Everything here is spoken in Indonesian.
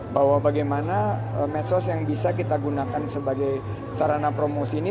bahwa bagaimana medsos yang bisa kita gunakan sebagai sarana promosi ini